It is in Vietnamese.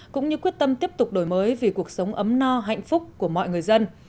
cũng như quyết tâm tiếp tục đổi mới vì cuộc sống ấm no hạnh phúc của mọi người dân